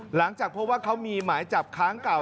หลังจากพบว่าเขามีหมายจับค้างเก่า